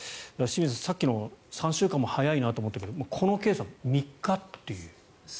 清水さん、さっきの３週間も早いと思ったけどこのケースは３日という。